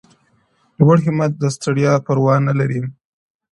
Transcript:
لوړ همت د ستړیا پروا نه کوي!